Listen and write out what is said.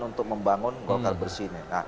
untuk membangun golkar bersih ini